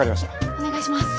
お願いします。